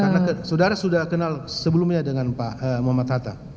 karena saudara sudah kenal sebelumnya dengan pak muhammad hatta